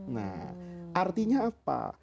nah artinya apa